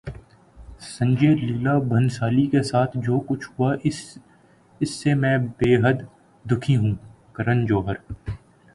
سنجے لیلا بھنسالی کے ساتھ جو کچھ ہوا اس سے میں بیحد دکھی ہوں: کرن جوہر